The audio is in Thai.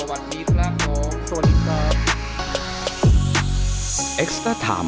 วันนี้สวัสดีครับ